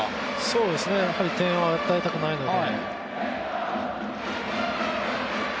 そうですね、やはり点を与えたくないので。